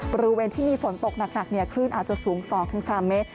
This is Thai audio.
บริเวณที่มีฝนตกหนักคลื่นอาจจะสูง๒๓เมตร